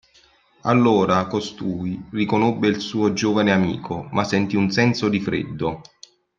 Allora costui riconobbe il suo giovane amico, ma sentì un senso di freddo.